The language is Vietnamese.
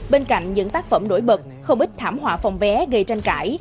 bên cạnh những tác phẩm nổi bật không ít thảm họa phòng vé gây tranh cãi